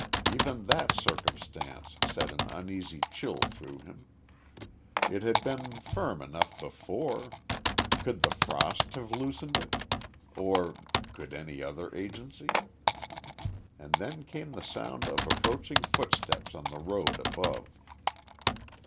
Even that circumstance sent an uneasy chill through him. It had been firm enough before. Could the frost have loosened it? Or could any other agency? And then came the sound of approaching footsteps on the road above.